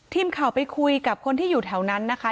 ทีมข่าวไปคุยกับคนที่อยู่แถวนั้นนะคะ